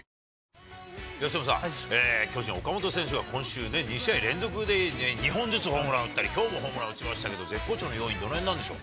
由伸さん、巨人、岡本選手が今週、２試合連続で２本ずつホームランを打ったり、きょうもホームラン打ちましたけど、絶好調の要因、どのへんなんでしょう。